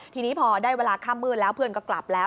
ทีนี้พอได้เวลาข้ามมืดแล้วเพื่อนก็กลับแล้ว